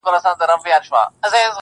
o انساني حقونه تر پښو للاندي کيږي,